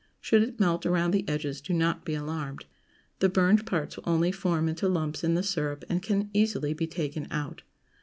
Should it melt around the edges, do not be alarmed. The burned parts will only form into lumps in the syrup, and can easily be taken out.